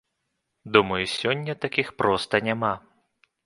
Думаю, сёння такіх проста няма.